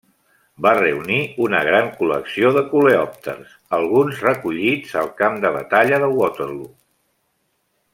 Va reunir una gran col·lecció de coleòpters, alguns recollits al camp de batalla de Waterloo.